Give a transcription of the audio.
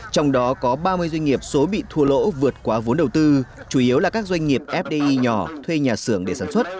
trong đó có ba mươi doanh nghiệp số bị thua lỗ vượt qua vốn đầu tư chủ yếu là các doanh nghiệp fdi nhỏ thuê nhà xưởng để sản xuất